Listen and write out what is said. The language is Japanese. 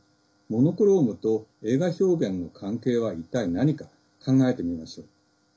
モノクロームと映画表現の関係は一体何か、考えてみましょう。